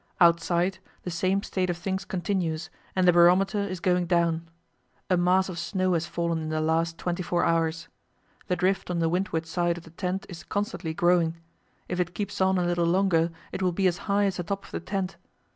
Outside the same state of things continues, and the barometer is going down. A mass of snow has fallen in the last twenty four hours. The drift on the windward side of the tent is constantly growing; if it keeps on a little longer it will be as high as the top of the tent.